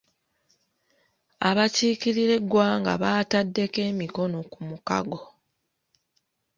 Abakiikirira eggwanga baataddeko emikono ku mukago.